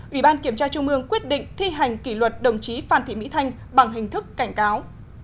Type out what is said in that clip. ủy ban kiểm tra trung ương quyết định thi hành kỷ luật đồng chí phan thị mỹ thanh bằng hình thức cảnh cáo